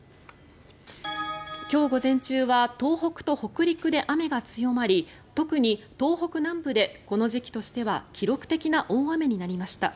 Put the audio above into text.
今日午前中は東北と北陸で雨が強まり特に東北南部でこの時期としては記録的な大雨になりました。